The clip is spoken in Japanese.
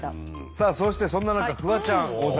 さあそしてそんな中フワちゃん大阪。